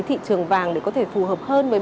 thị trường vàng để có thể phù hợp hơn với